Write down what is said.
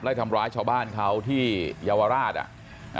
และทำร้ายชาดเบลี่นเขาที่ยาวราชอ่ะ